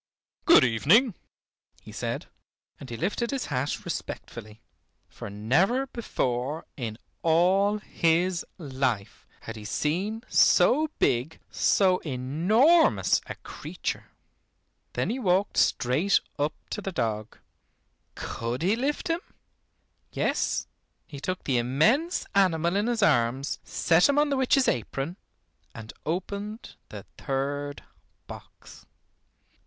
"Good evening," he said, and he lifted his hat respectfully, for never before in all his life, had he seen so big, so enormous a creature. Then he walked straight up to the dog. Could he lift him? Yes, he took the immense animal in his arms, set him on the witch's apron, and opened the third box.